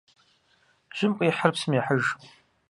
Жьым къихьыр псым ехьыж.